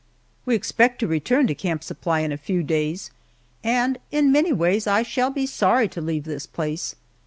We expect to return to Camp Supply in a few days, and in many ways I shall be sorry to leave this place.